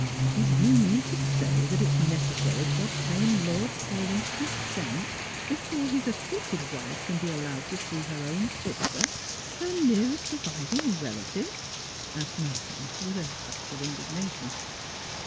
" Do you mean to say that it is necessary to obtain Lord Paulyn's consent before his afflicted wife can be allowed to see her own sister, her nearest surviving relative ?" asked Malcolm, with a touch of indignation.